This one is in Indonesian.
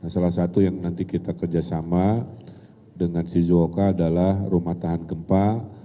salah satu yang nanti kita kerjasama dengan shizuoka adalah rumah tahan gempa